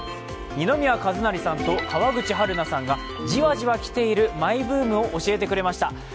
二宮和也さんと川口春奈さんがじわじわ来ているマイブームを教えてくれました。